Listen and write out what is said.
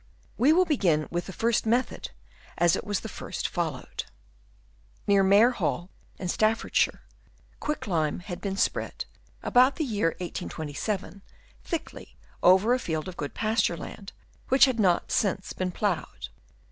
We will begin with the first method, as it was first followed. Near Maer Hall in Staffordshire, quick lime had been spread about the year 1827 thickly over a field of good pasture land, which had not since been ploughed.